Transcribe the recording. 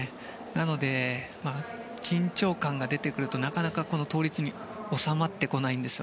なので、緊張感が出てくるとなかなか倒立に収まってこないんです。